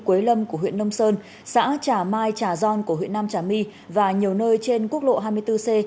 quế lâm của huyện nông sơn xã trà mai trà gion của huyện nam trà my và nhiều nơi trên quốc lộ hai mươi bốn c